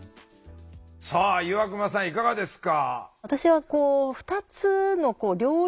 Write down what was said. さあ岩隈さんいかがですか？